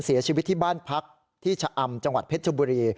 เสียชีวิตที่บ้านพักที่ชะอำจังหวัดเพชรชบุรี